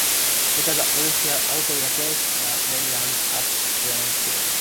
Later the Olympian also replaced the Leyland Atlantean.